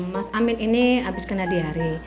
mas amin ini habis kena diare